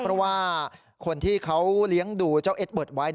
เพราะว่าคนที่เขาเลี้ยงดูเจ้าเอ็ดเบิร์ตไว้